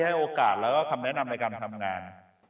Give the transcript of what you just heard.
ให้โอกาสแล้วก็คำแนะนำในการทำงาน